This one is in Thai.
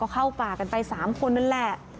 เข้าป่ากันไป๓คนนั่นแหละ